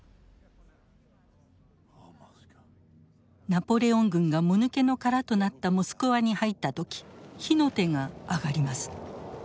ナポレオン軍がもぬけの殻となったモスクワに入った時火の手が上がります。